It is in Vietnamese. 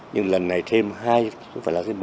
nhưng lần này thêm hai không phải là cái một